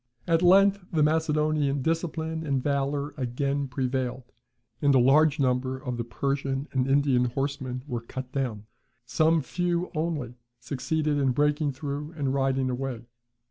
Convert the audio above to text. At length the Macedonian, discipline and valour again prevailed, and a large number of the Persian and Indian horsemen were cut down; some few only succeeded in breaking through and riding away.